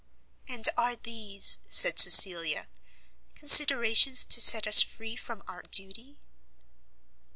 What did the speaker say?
"And are these," said Cecilia, "considerations to set us free from our duty?"